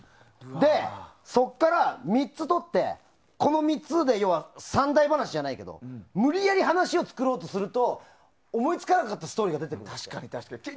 で、そこから３つ取ってこの３つで、三題噺じゃないけど無理やり話を作ろうとすると思いつかなかった話が出てくるんだって。